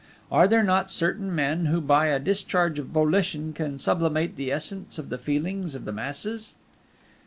Are there not certain men who by a discharge of Volition can sublimate the essence of the feelings of the masses?